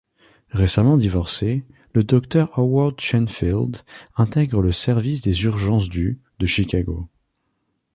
Récemment divorcé, le docteur Howard Sheinfeld intègre le service des urgences du de Chicago.